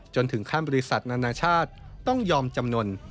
ถึงขั้นบริษัทนานาชาติต้องยอมจำนวน